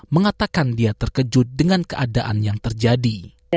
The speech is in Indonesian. mengatakan dia terkejut dengan keadaan yang terjadi